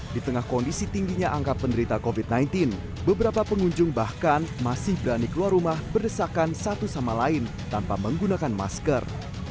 di tengah kondisi tingginya angka penderita covid sembilan belas beberapa pengunjung bahkan masih berani keluar rumah berdesakan satu sama lain tanpa menggunakan masker